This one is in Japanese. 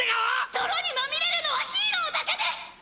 泥に塗れるのはヒーローだけです！